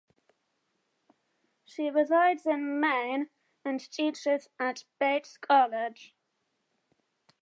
She resides in Maine and teaches at Bates College.